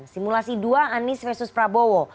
simulasi dua anies versus prabowo